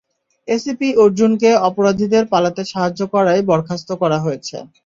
ACP Arjun কে অপরাধীদের পালাতে সাহায্য করায় বরখাস্ত করা হয়েছে।